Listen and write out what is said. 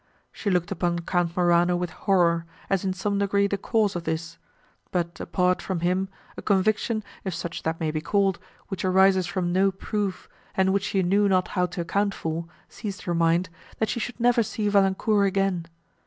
She looked upon Count Morano with horror, as in some degree the cause of this; but apart from him, a conviction, if such that may be called, which arises from no proof, and which she knew not how to account for, seized her mind—that she should never see Valancourt again.